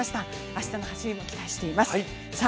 明日の走りも期待しています。